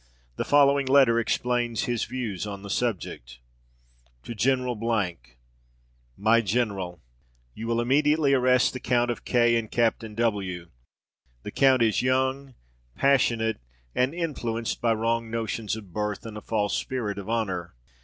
The following letter explains his views on the subject: "TO GENERAL "MY GENERAL, "You will immediately arrest the Count of K. and Captain W. The count is young, passionate, and influenced by wrong notions of birth and a false spirit of honour.